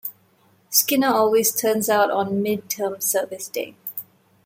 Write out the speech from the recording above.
Skinner always turns out on Mid-Term Service Day.